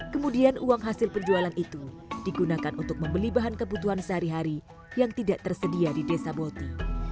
kemudian uang hasil penjualan itu digunakan untuk membeli bahan kebutuhan sehari hari yang tidak tersedia di desa boti